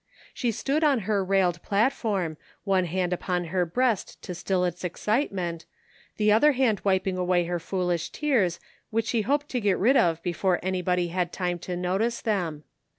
She stood on her railed platform, one hand upon her breast to still its excitement, th« other hand wiping away her foolish tears which she hoped to get rid of before anybody had time to notice them.